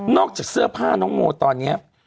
จากเสื้อผ้าน้องโมตอนนี้